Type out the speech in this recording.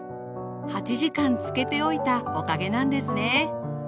８時間つけておいたおかげなんですね。